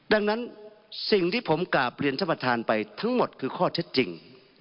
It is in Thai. ดังนั้นสิ่งที่ผมกราบเรียนท่านประธานไปทั้งหมดคือข้อเท็จจริง